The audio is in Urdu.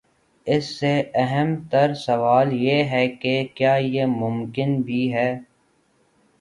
اس سے اہم تر سوال یہ ہے کہ کیا یہ ممکن بھی ہے؟